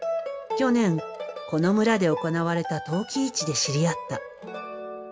去年この村で行われた陶器市で知り合った。